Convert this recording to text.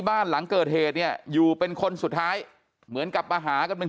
บ้านหลังเกิดเหตุเนี่ยอยู่เป็นคนสุดท้ายเหมือนกับมาหากันเป็น